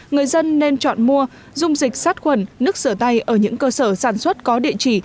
người dân nên chọn mua dung dịch sát khuẩn nước sửa tay ở những cơ sở sản xuất có địa chỉ